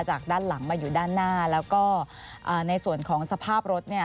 จากด้านหลังมาอยู่ด้านหน้าแล้วก็ในส่วนของสภาพรถเนี่ย